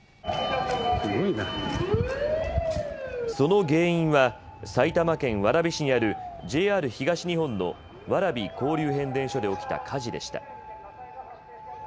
その原因は埼玉県蕨市にあるＪＲ東日本の蕨交流変電所で起きた火事でした。